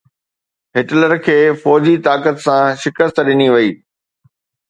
Hitler کي فوجي طاقت سان شڪست ڏني وئي.